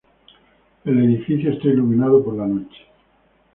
El edificio es iluminado por la noche.